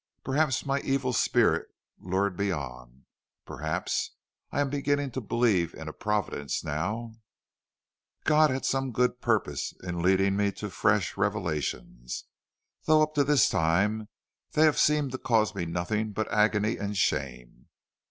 Perhaps my evil spirit lured me on; perhaps I am beginning to believe in a Providence now God had some good purpose in leading me to fresh revelations, though up to this time they have seemed to cause me nothing but agony and shame.